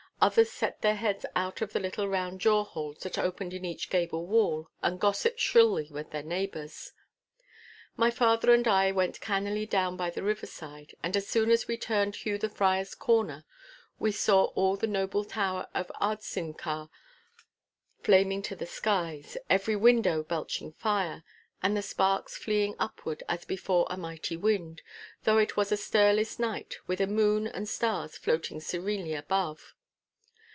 Others set their heads out of the little round 'jaw holes' that opened in each gable wall, and gossiped shrilly with their neighbours. My father and I went cannily down by the riverside, and as soon as we turned Hew the Friar's corner, we saw all the noble tower of Ardstinchar flaming to the skies—every window belching fire, and the sparks fleeing upward as before a mighty wind, though it was a stirless night with a moon and stars floating serenely above.